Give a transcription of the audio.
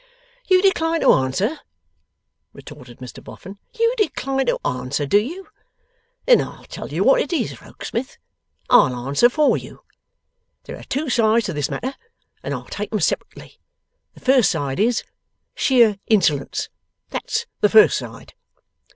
'You decline to answer?' retorted Mr Boffin. 'You decline to answer, do you? Then I'll tell you what it is, Rokesmith; I'll answer for you. There are two sides to this matter, and I'll take 'em separately. The first side is, sheer Insolence. That's the first side.